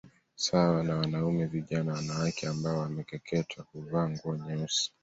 Sawa na wanaume vijana wanawake ambao wamekeketewa huvaa nguo nyeusi